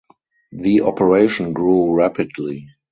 The operation grew rapidly.